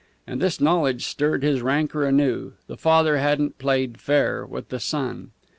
And this knowledge stirred his rancor anew the father hadn't played fair with the son.